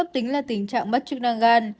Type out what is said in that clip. tính là tình trạng mất chức năng gan